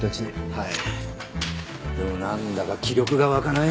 はい？